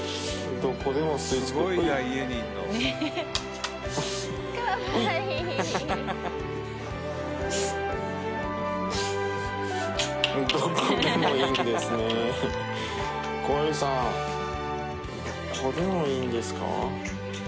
どこでもいいんですか？